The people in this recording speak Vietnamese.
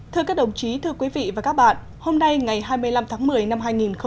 thưa các đồng chí thưa quý vị và các bạn hôm nay ngày hai mươi năm tháng một mươi năm hai nghìn một mươi chín